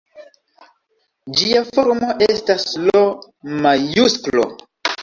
Ĝia formo estas L-majusklo.